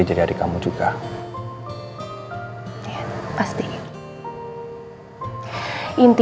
tadi aku meluk catherine